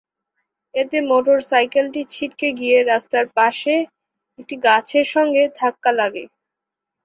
এতে মোটরসাইকেলটি ছিটকে গিয়ে রাস্তার পাশে একটি গাছের সঙ্গে ধাক্কা লাগে।